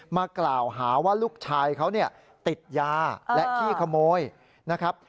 มากล่าวหาว่าลูกชายเขาเนี่ยติดยาและขี้ขโมยนะครับ